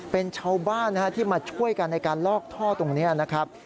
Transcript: เป็นชาวบ้านที่มาช่วยกันในการลอกท่อตรงนี้นะครับ